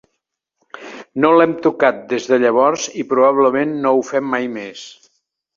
No l'hem tocat des de llavors i probablement no ho fem mai més.